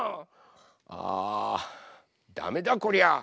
あダメだこりゃ。